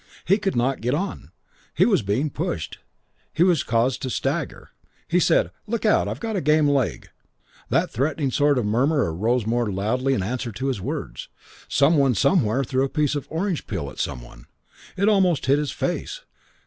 He could not get on. He was being pushed. He was caused to stagger. He said, "Look out, I've got a game leg." That threatening sort of murmur arose more loudly in answer to his words. Some one somewhere threw a piece of orange peel at some one. It almost hit his face.